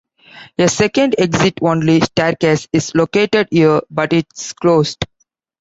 A second exit-only staircase is located here, but is closed.